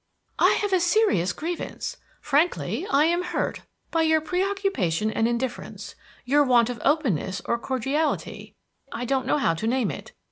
"I have a serious grievance. Frankly, I am hurt by your preoccupation and indifference, your want of openness or cordiality, I don't know how to name it.